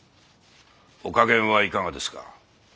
お加減はいかがですか？